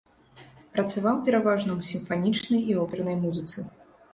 Працаваў пераважна ў сімфанічнай і опернай музыцы.